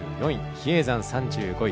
比叡山、３５位。